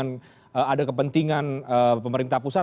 waduh kemudian ada kepentingan pemerintah pusat